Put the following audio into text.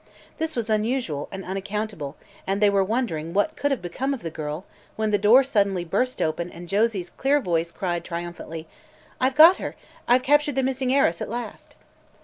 This was unusual and unaccountable and they were wondering what could have become of the girl when the door suddenly burst open and Josie's clear voice cried triumphantly: "I've got her! I've captured the missing heiress at last!"